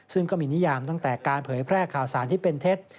ซึ่งก็มีนิยามตั้งแต่การเผยแพร่ข่าวสารที่เป็นเท็จ